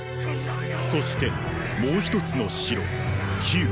そしてもう一つの城「汲」。